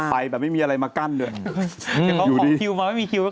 ไปแบบไม่มีอะไรมากั้นด้วย